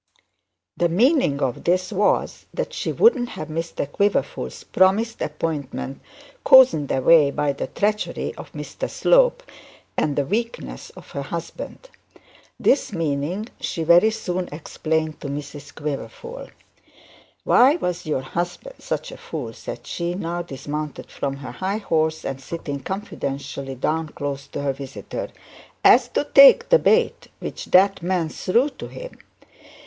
The meaning of this was that she wouldn't have Mr Quiverful's promised appointment cozened away by the treachery of Mr Slope and the weakness of her husband. This meaning she very soon explained to Mrs Quiverful. 'Why was your husband such a fool,' said she, now dismounted from her high horse and sitting confidentially down close to her visitor, 'as to take the bait which that man threw to him?